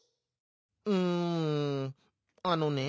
「うんあのね